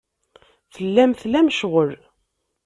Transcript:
Tellam tlam ccɣel.